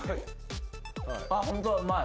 ホントだうまい。